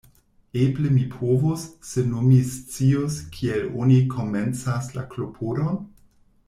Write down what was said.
Eble mi povus, se nur mi scius kiel oni komencas la klopodon?